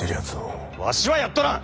わしはやっとらん！